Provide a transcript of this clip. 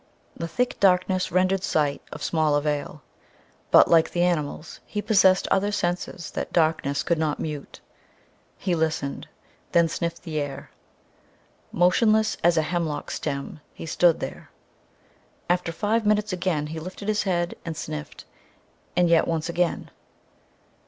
The thick darkness rendered sight of small avail, but, like the animals, he possessed other senses that darkness could not mute. He listened then sniffed the air. Motionless as a hemlock stem he stood there. After five minutes again he lifted his head and sniffed, and yet once again.